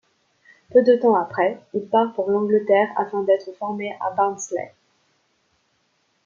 Peu de temps après, il part pour l'Angleterre afin d'être formé à Barnsley.